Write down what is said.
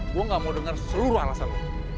gue gak mau dengar seluruh alasan lo